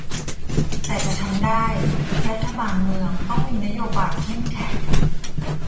แต่จะทำได้ รัฐบาลเมืองต้องมีนโยบายเข้มแข็ง